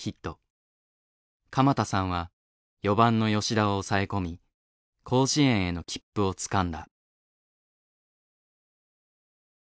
釜田さんは４番の吉田を抑え込み甲子園への切符をつかんだ。